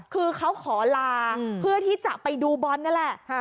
คือเขาขอลาเพื่อที่จะไปดูบอลนั่นแหละ